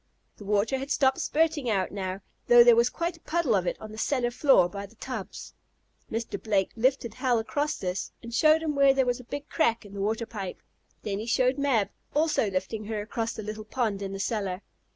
The water had stopped spurting out now, though there was quite a puddle of it on the cellar floor by the tubs. Mr. Blake lifted Hal across this, and showed him where there was a big crack in the water pipe. Then he showed Mab, also lifting her across the little pond in the cellar.